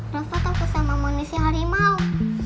rafa takut sama manusia harimau